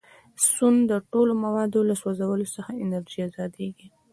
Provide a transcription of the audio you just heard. د سون د ټولو موادو له سوځولو څخه انرژي ازادیږي.